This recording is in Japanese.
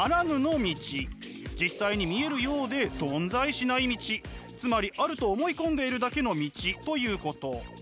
実際に見えるようで存在しない道つまりあると思い込んでいるだけの道ということ。